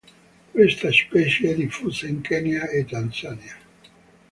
Questa specie è diffusa in Kenya e Tanzania.